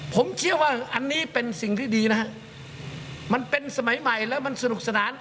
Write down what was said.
ผมเชื่อว่าอันนี้เป็นสิ่งที่ดีนะฮะมันเป็นสมัยใหม่แล้วมันสนุกสนาน